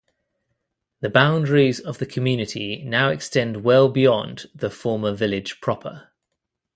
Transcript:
The boundaries of the community now extend well beyond the former village proper.